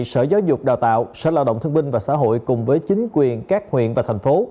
sở giáo dục đào tạo sở lao động thương binh và xã hội cùng với chính quyền các huyện và thành phố